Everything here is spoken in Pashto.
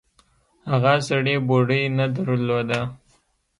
هغه سړي بوړۍ نه درلوده.